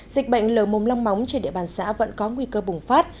dịch bệnh lở mồm long móng trên địa bàn xã vẫn có nguy cơ bùng phát